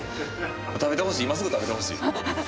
食べてほしい今すぐ食べてほしい。